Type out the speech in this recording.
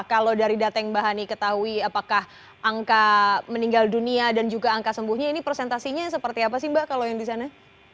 kalau dari data yang mbak hani ketahui apakah angka meninggal dunia dan juga angka sembuhnya ini presentasinya seperti apa sih mbak kalau yang di sana